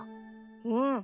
うん。